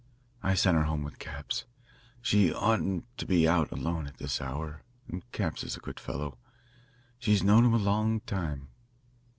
I sent her home with Capps. She oughtn't to be out alone at this hour, and Capps is a good fellow. She's known him a long time.